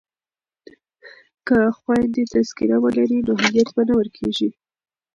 که خویندې تذکره ولري نو هویت به نه ورکيږي.